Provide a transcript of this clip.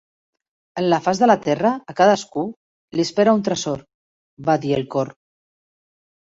"En la faç de la terra, a cadascú, li espera un tresor", va dir el cor.